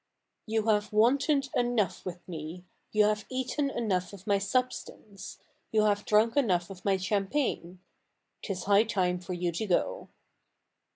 " Vou have wantoned enough with me — you have eaten enough of my substance — you have drunk enough of my champagne ; 'tis high time for you to go."